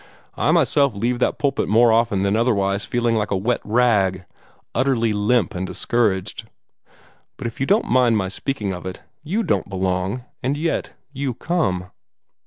I myself leave that pulpit more often than otherwise feeling like a wet rag utterly limp and discouraged. But, if you don't mind my speaking of it, YOU don't belong, and yet YOU come."